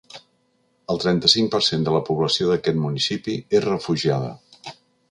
El trenta-cinc per cent de la població d’aquest municipi és refugiada.